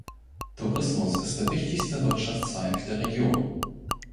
Tourismus ist der wichtigste Wirtschaftszweig der Region.